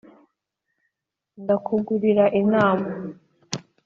Ndakungura inama